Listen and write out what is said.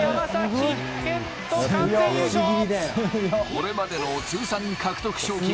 これまでの通算獲得賞金